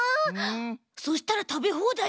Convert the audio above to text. そしたらたべほうだいじゃん。